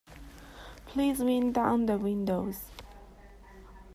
Please wind down the windows.